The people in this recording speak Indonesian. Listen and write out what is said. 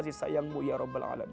perempuan yang bisa menempatkan rahmat